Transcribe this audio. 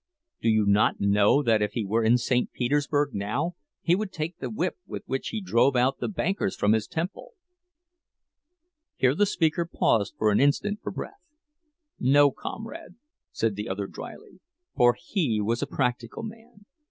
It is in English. Do you not know that if he were in St. Petersburg now, he would take the whip with which he drove out the bankers from his temple—" Here the speaker paused an instant for breath. "No, comrade," said the other, dryly, "for he was a practical man.